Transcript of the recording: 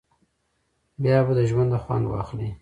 بیا به د ژونده خوند واخلی.